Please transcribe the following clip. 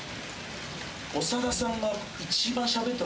長田さんが。